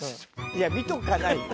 いや見とかないよ。